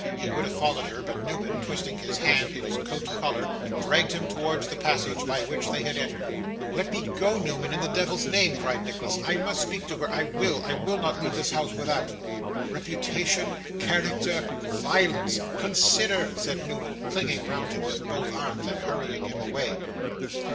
He would have followed her, but Newman, twisting his hand in his coat collar, dragged him towards the passage by which they had entered. 'Let me go, Newman, in the Devil's name!' cried Nicholas. 'I must speak to her. I will! I will not leave this house without.' 'Reputation character violence consider,' said Newman, clinging round him with both arms, and hurrying him away.